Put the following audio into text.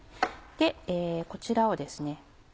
こちらをですね